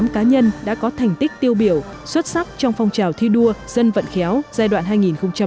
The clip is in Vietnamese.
năm mươi tám cá nhân đã có thành tích tiêu biểu xuất sắc trong phong trào thi đua dân vận khéo giai đoạn hai nghìn một mươi sáu hai nghìn một mươi tám